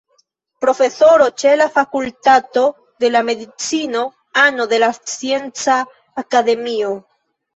Profesoro ĉe la Fakultato de la Medicino, ano de la Scienca Akademio.